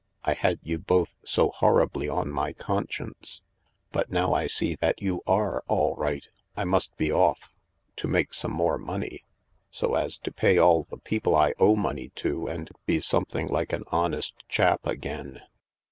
I had you both so horribly on my conscience. But now I see that you are all right I must be off— to make some more money, so as to pay all the people I owe money to and be something like an honest chap again."